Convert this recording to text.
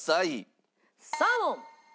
サーモン！